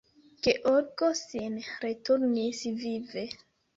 Georgo sin returnis vive.